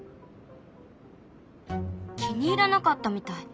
気に入らなかったみたい。